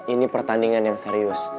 ini pertandingan yang serius